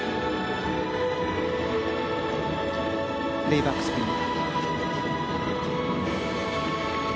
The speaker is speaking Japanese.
レイバックスピン。